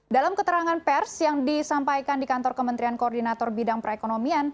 dalam keterangan pers yang disampaikan di kantor kementerian koordinator bidang perekonomian